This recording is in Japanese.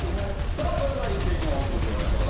さあそれでは一斉にオープンしてもらいましょう。